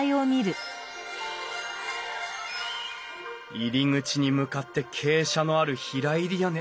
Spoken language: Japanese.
入り口に向かって傾斜のある平入り屋根。